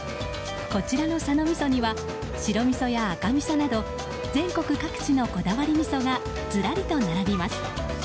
こちらの佐野みそには白みそや赤みそなど全国各地のこだわりみそがずらりと並びます。